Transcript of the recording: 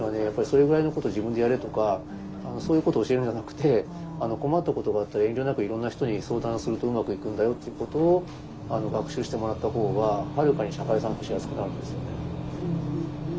やっぱり「それぐらいのこと自分でやれ」とかそういうことを教えるんじゃなくて「困ったことがあったら遠慮なくいろんな人に相談するとうまくいくんだよ」っていうことを学習してもらった方がはるかに社会参加しやすくなるんですよね。